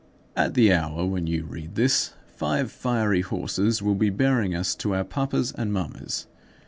At the hour when you read this, five fiery horses will be bearing us to our papas and mammas.